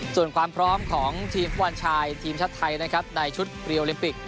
ส่วนความพร้อมของทีมฟุตบอลชายทีมชาติไทยนะครับในชุดเรียโอลิมปิก